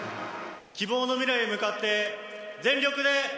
希望の未来へ向かって全力で。